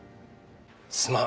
すまん。